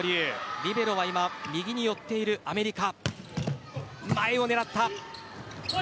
リベロは右に寄っているアメリカ。